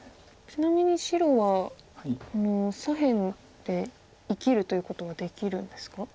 ちなみに白は左辺で生きるということはできるんですか？